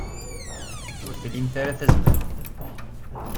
Ur tlimt ara tazmert.